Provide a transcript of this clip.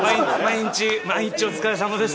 毎日、お疲れさまです。